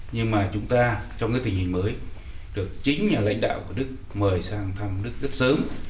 nhưng mà chúng ta trong cái tình hình mới được chính nhà lãnh đạo của đức mời sang thăm đức rất sớm